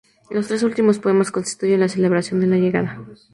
Los tres últimos poemas constituyen la celebración de la llegada.